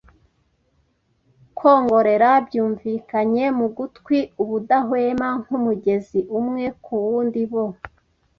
kwongorera byumvikanye mu gutwi ubudahwema, nk'umugezi. Umwe ku wundi, bo